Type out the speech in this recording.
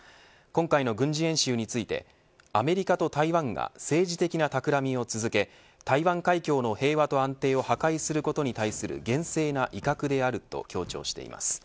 今回の軍事演習についてアメリカと台湾が政治的な企みを続け台湾海峡の平和と安定を破壊することに対する厳正な威嚇であると強調しています。